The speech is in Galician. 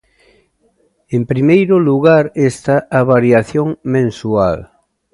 En primeiro lugar está a variación mensual.